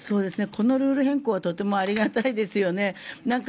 このルール変更はとてもありがたいですよね。